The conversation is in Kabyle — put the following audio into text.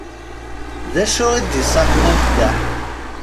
D acu i d-iṣaḥen ameddaḥ?